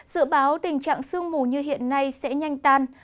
dự báo tình trạng sương mù như hiện nay sẽ nhanh tan